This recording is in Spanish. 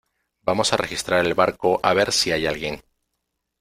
vamos a registrar el barco a ver si hay alguien.